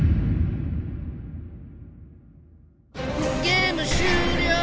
ゲーム終了！